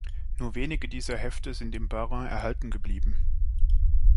Nur wenige dieser Hefte sind im Bas-Rhin erhalten geblieben.